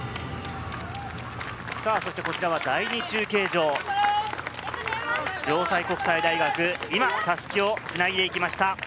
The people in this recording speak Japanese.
そしてこちらは第２中継所、城西国際大学は今、襷を繋いでいきました。